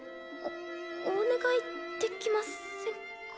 おお願いできませんか？